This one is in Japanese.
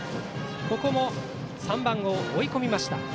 ここも３番を追い込みました。